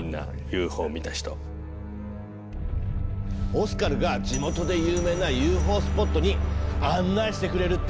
オスカルが地元で有名なＵＦＯスポットに案内してくれるって。